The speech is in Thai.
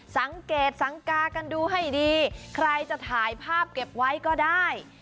สังเกตสังกากันดูให้ดีใครจะถ่ายภาพเก็บไว้ก็ได้